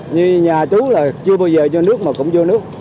như nhà chú là chưa bao giờ cho nước mà cũng vô nước